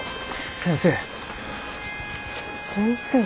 先生？